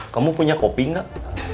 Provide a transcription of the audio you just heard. kamu punya kopi enggak